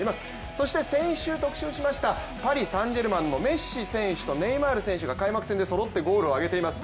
そして先週特集しましたパリ・サン＝ジェルマンのメッシ選手とネイマール選手が開幕戦でそろってゴールをあげています。